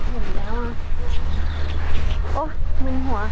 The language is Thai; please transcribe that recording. เห็นแล้วอ่ะโอ้มึนหัว